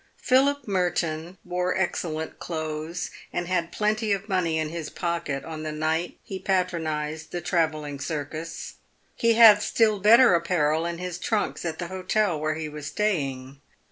Philip Mebton wore excellent clothes and had plenty of money in his pocket on the night he patronised the travelling circus. He had still better apparel in his trunks at the hotel where he was staying.